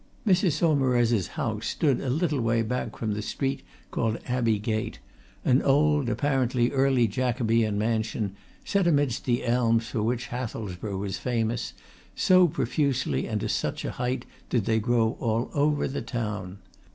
Mrs. Saumarez's house stood a little way back from the street called Abbey Gate, an old, apparently Early Jacobean mansion, set amidst the elms for which Hathelsborough was famous, so profusely and to such a height did they grow all over the town.